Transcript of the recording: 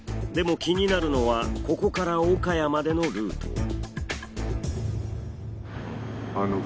でも気になるのはここから岡谷までのルート。